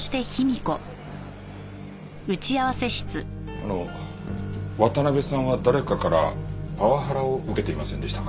あの渡辺さんは誰かからパワハラを受けていませんでしたか？